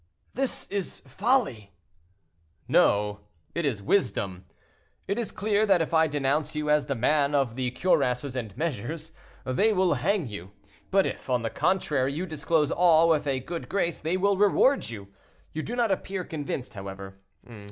"This is folly." "No, it is wisdom. It is clear that if I denounce you as the man of the cuirasses and measures, they will hang you; but if, on the contrary, you disclose all, with a good grace, they will reward you. You do not appear convinced, however.